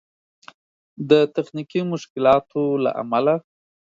د تخنيکي مشکلاتو له امله